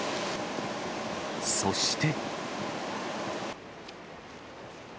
そして。